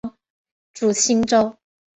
属新州。